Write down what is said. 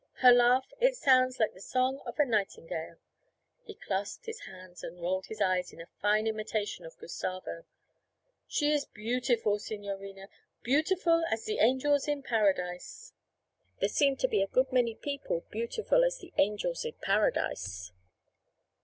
Her laugh, it sounds like the song of a nightingale.' He clasped his hands and rolled his eyes in a fine imitation of Gustavo. 'She is beautiful, signorina, beautiful as ze angels in Paradise!' 'There seem to be a good many people beautiful as the angels in Paradise.'